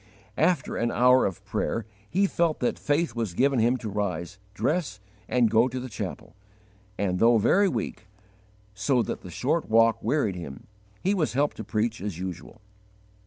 After an hour of prayer he felt that faith was given him to rise, dress, and go to the chapel; and, though very weak, so that the short walk wearied him, he was helped to preach as usual.